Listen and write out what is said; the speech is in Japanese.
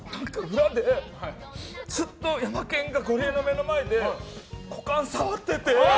裏でずっとヤマケンがずっと、ゴリエの目の前で股間を触ってて。